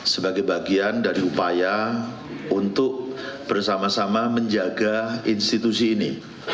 sebagai bagian dari upaya untuk bersama sama menjaga institusi ini